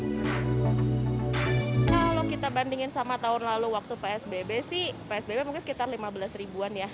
kalau kita bandingin sama tahun lalu waktu psbb sih psbb mungkin sekitar lima belas ribuan ya